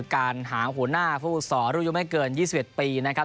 การหาหัวหน้าผู้ส่อรุยมให้เกินยี่สิบเอ็ดปีนะครับ